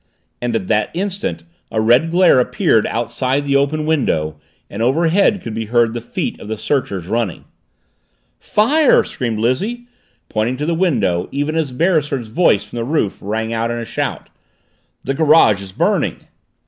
And at that instant a red glare appeared outside the open window and overhead could be heard the feet of the searchers, running. "Fire!" screamed Lizzie, pointing to the window, even as Beresford's voice from the roof rang out in a shout. "The garage is burning!"